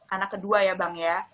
anak kedua ya bang ya